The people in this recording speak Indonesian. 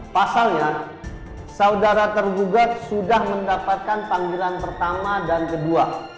pasalnya saudara tergugat sudah mendapatkan panggilan pertama dan kedua